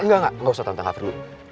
enggak enggak gak usah tante ngapain dulu